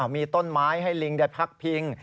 มีต้นไม้ให้ลิงได้พักพิง